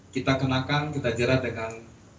kita kenakan kita jerat dengan